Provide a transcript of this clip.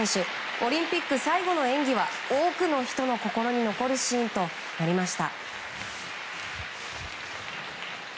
オリンピック最後の演技は多くの人の心に残るシーンとなりました。